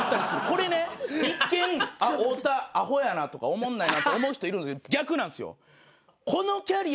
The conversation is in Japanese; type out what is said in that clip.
これね一見あっ太田アホやなとかおもんないなって思う人いるんですけど逆なんですよ。